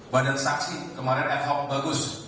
badan saksi kemarin ad hoc bagus